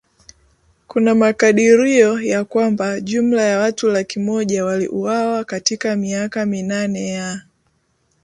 Kuna makadirio ya kwamba jumla ya watu laki moja waliuawa katika miaka minane ya